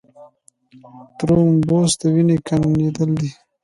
د ترومبوس د وینې ګڼېدل دي.